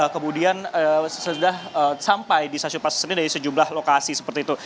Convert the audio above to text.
kemudian sudah sampai di stasiun pasar senen dari sejumlah lokasi seperti itu